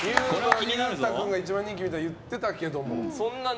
ゆうた君が一番人気みたいに言ってましたけど。